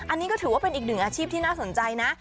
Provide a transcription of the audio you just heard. อันนี้ก็ถือว่าเป็นอีกหนึ่งอาชีพที่น่าสนใจนะ